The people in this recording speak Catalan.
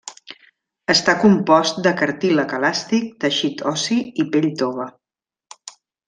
Està compost de cartílag elàstic, teixit ossi i pell tova.